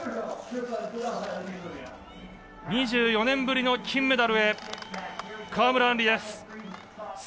２４年ぶりの金メダルへ川村あん